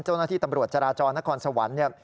เจ้าหน้าที่ตำรวจจราจรนครสวรรค์เนี่ย